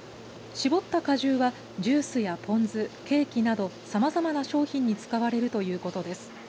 搾った果汁はジュースやポン酢ケーキなど、さまざまな商品に使われるということです。